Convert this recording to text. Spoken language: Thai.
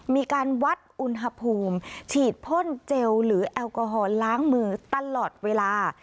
มีการวัดอุณหภูมิฉีดพ่นเจลหรือแอลกอฮอลล้างมือตลอดเวลา